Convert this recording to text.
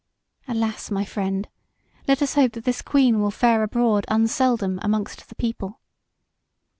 Alas, my friend! let us hope that this Queen will fare abroad unseldom amongst the people."